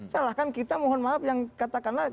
salahkan kita mohon maaf yang katakanlah